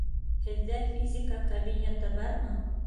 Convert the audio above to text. Һеҙҙә физика кабинеты бармы?